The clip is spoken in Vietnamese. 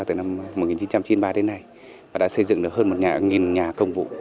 từ năm một nghìn chín trăm chín mươi ba đến nay đã xây dựng được hơn một nhà công vụ